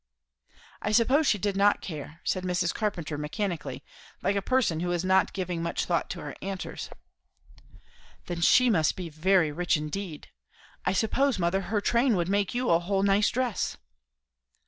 "I suppose she did not care," said Mrs. Carpenter mechanically, like a person who is not giving much thought to her answers. "Then she must be very rich indeed. I suppose, mother, her train would make you a whole nice dress."